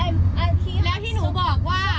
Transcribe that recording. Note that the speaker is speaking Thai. ทีแล้วที่หนูบอกว่า